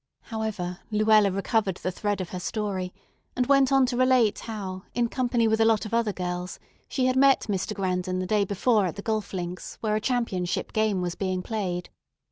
However, Luella recovered the thread of her story, and went on to relate how in company with a lot of other girls she had met Mr. Grandon the day before at the golf links, where a championship game was being played.